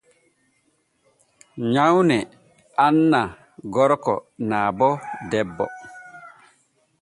Nyawne annaa gorko naa bo debbo.